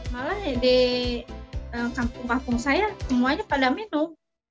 malah di kampung kampung saya semuanya pada minum